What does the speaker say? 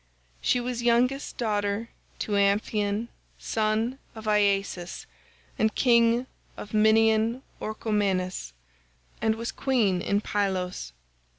She was youngest daughter to Amphion son of Iasus and king of Minyan Orchomenus, and was Queen in Pylos.